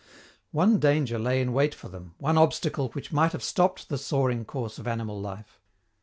One danger lay in wait for them, one obstacle which might have stopped the soaring course of animal life.